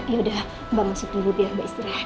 ya udah mbak masuk dulu biar mbak istirahat ya